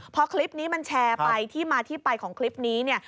พอคลิปนี้มันแชร์ไปที่มาที่ไปของคลิปนี้เนี่ย